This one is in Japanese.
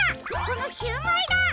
このシューマイだ！